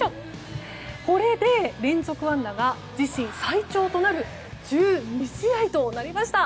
これで連続安打が自身最長となる１２試合となりました。